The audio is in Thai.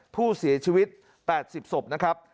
ผู้เสียชีวิต๘๐ศพนะครับ